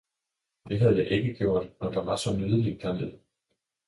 "Det havde jeg ikke gjort, når der var så nydeligt dernede!"